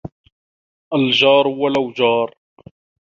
الجار ولو جار.